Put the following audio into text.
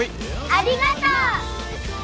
ありがとう。